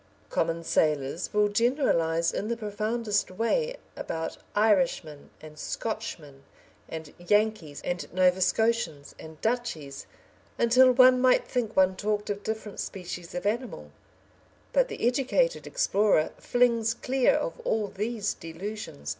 Common sailors will generalise in the profoundest way about Irishmen, and Scotchmen, and Yankees, and Nova Scotians, and "Dutchies," until one might think one talked of different species of animal, but the educated explorer flings clear of all these delusions.